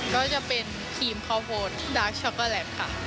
ก็จะเป็นครีมข้าวโพนดาร์กช็อกโกแลตค่ะ